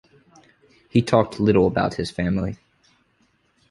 He talked little about his family.